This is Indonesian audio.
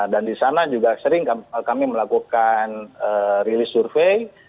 dan di sana juga sering kami melakukan release survey